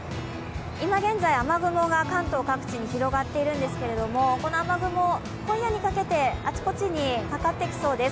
今現在、雨雲が関東各地に広がっているんですけれどもこの雨雲、今夜にかけてあちこちにかかってきそうです。